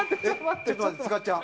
えっ？